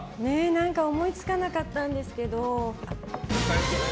何か思いつかなかったんですけど。